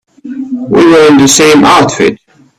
We were in the same outfit.